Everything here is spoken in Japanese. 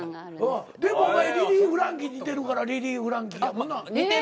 でもお前リリー・フランキーに似てるからリリー・フランキーやもんな。